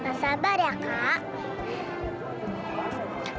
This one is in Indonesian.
masa bar ya kak